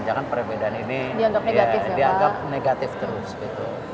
jangan perbedaan ini dianggap negatif terus gitu